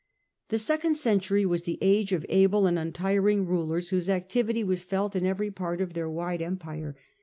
The second century was the age of able and untiring rulers, whose activity was felt in every part of their wide empire.